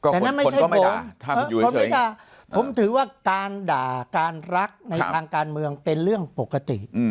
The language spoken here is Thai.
แต่นั่นไม่ใช่ผมถือว่าการด่าการรักในทางการเมืองเป็นเรื่องปกติ